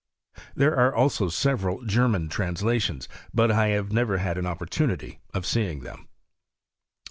There are also several German trans lations, but I have never had an opportunity of see ing them.